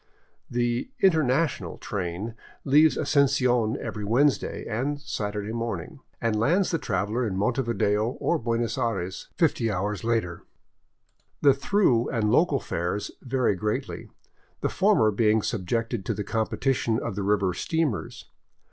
The " International '' train leaves Asuncion every Wednesday and Saturday morning, and lands the traveler in Montevideo or Buenos ^ Aires fifty hours later. The through and local fares vary greatly, the former being subjected to the competition of the river steamers.